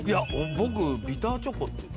僕ビターチョコっていうの？